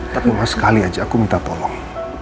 tapi mau sekali aja aku minta tolong